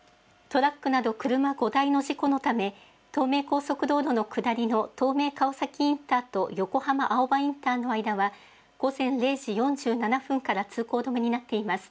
トラックなど車５台の事故のため、東名高速道路の下りの東名川崎インターと横浜青葉インターの間は午前０時４７分から通行止めになっています。